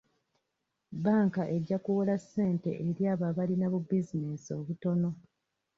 Bbanka ejja kuwola ssente eri abo abalina bu bizinesi obutono.